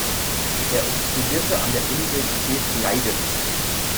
Er studierte an der Universität Leiden.